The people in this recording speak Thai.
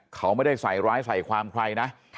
เขาไม่ได้ใส่ร้ายใส่ความใครนะ